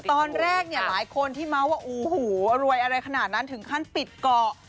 ตอนแรกเนี่ยหลายคนที่เมาส์ว่าโอ้โหรวยอะไรขนาดนั้นถึงขั้นปิดเกาะ